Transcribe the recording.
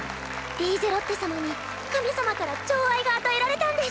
リーゼロッテ様に神様から寵愛が与えられたんです。